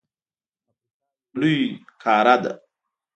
افریقا یو لوی قاره ده.